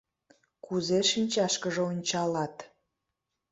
Кузе шинчашкыже ончалат?..